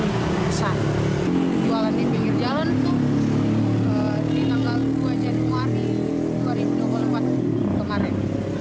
dijualan di pinggir jalan tuh di tanggal dua januari dua ribu dua puluh empat kemarin